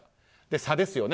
差ですよね